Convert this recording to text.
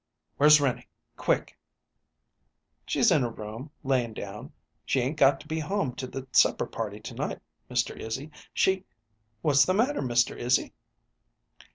"Where's Renie? Quick!" "She's in her room, layin' down. She ain't goin' to be home to the supper party to night, Mr. Izzy; she What's the matter, Mr. Izzy?"